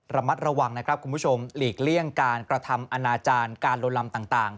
ระมัดระวังนะครับคุณผู้ชมหลีกเลี่ยงการกระทำอนาจารย์การลนลำต่าง